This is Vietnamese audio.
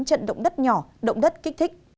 trận động đất nhỏ động đất kích thích